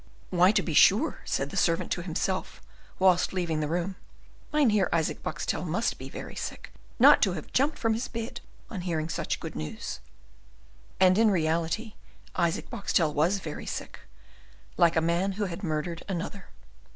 "Why, to be sure," said the servant to himself, whilst leaving the room, "Mynheer Isaac Boxtel must be very sick not to have jumped from his bed on hearing such good news." And, in reality, Isaac Boxtel was very sick, like a man who has murdered another.